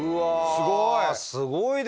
すごいな。